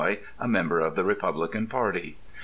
a member of the Republican party.